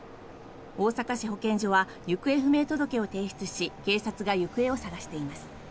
大阪市保健所は行方不明届を提出し警察が行方を捜しています。